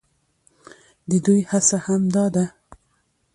د دوى هڅه هم دا ده،